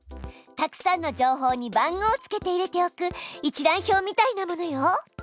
たくさんの情報に番号をつけて入れておく一覧表みたいなものよ。